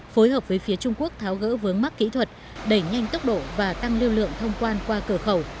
phối hợp với phía trung quốc tháo gỡ vướng mắt kỹ thuật đẩy nhanh tốc độ và tăng lưu lượng thông quan qua cửa khẩu